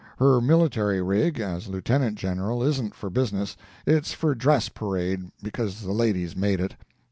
Her military rig, as Lieutenant General, isn't for business, it's for dress parade, because the ladies made it.